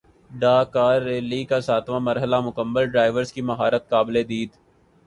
Dakar Rally کا ساتواں مرحلہ مکمل ڈرائیورز کی مہارت قابل دید